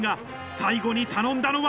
最後に頼んだのは？